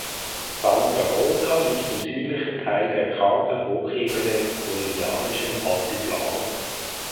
Santa Rosa liegt im südlichen Teil der kargen Hochebene des bolivianischen Altiplano.